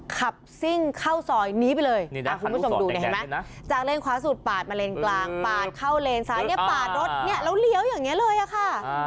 ขับซิ่งเข้าซอยนี้ไปเลยคุณผู้ชมดูจากเลนขวาสูดปาดมาเลนกลางปาดเข้าเลนซ้ายนี้ปาดรถแล้วเหลียวอย่างนี้เลยค่ะ